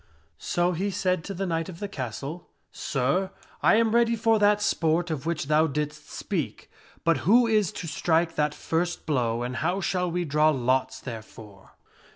So he said to the knight of the castle, " Sir, I am ready for that sport of which thou didst speak, but who is to strike that first blow and how shall we draw lots therefor?"